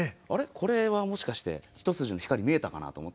これはもしかして一筋の光見えたかなと思って。